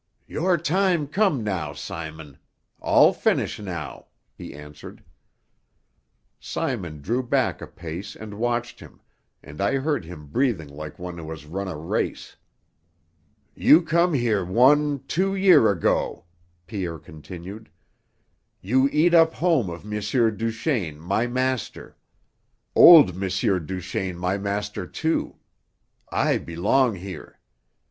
"Your time come now, Simon. All finish now," he answered. Simon drew back a pace and watched him, and I heard him breathing like one who has run a race. "You come here one, two year ago," Pierre continued. "You eat up home of M. Duchaine, my master. Old M. Duchaine my master, too. I belong here.